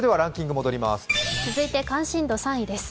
続いて関心度３位です。